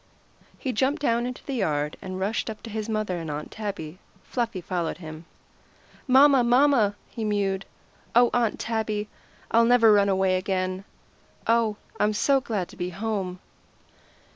He jumped down into the yard, and rushed up to his mother and Aunt Tabby. Fluffy followed him. "Momma! momma!" he mewed. "Oh, Aunt Tabby! I'll never run away again. Oh, I'm so glad to be home!"